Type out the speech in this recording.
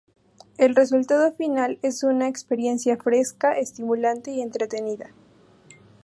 El resultado final es una experiencia fresca, estimulante y entretenida.